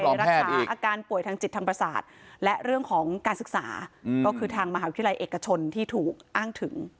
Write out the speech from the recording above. รักษาอาการป่วยทางจิตทางประสาทและเรื่องของการศึกษาก็คือทางมหาวิทยาลัยเอกชนที่ถูกอ้างถึง